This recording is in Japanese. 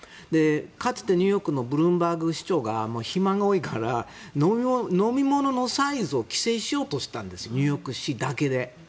かつてニューヨークのブルームバーグ市長が肥満が多いから飲み物のサイズを規制しようとしたんですニューヨーク市だけで。